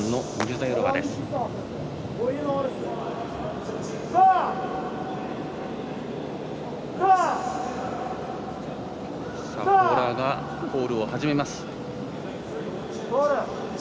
コーラーがコールを始めます。